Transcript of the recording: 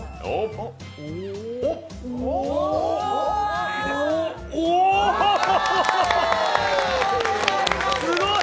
おおっ、すごい。